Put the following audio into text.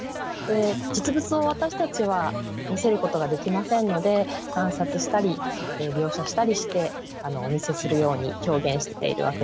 で実物を私たちは見せることができませんので観察したり描写したりしてお見せするように表現しているわけです。